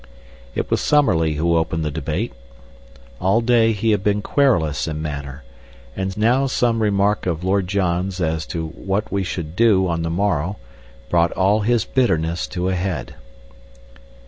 It was Summerlee who opened the debate. All day he had been querulous in manner, and now some remark of Lord John's as to what we should do on the morrow brought all his bitterness to a head.